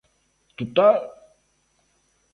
Total.